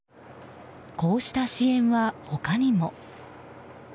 こうした支援は、他にも。